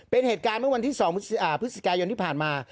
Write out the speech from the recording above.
เป็นเหตุการณ์เมื่อวันที่๒พฤศจิกายนที่ผ่านมา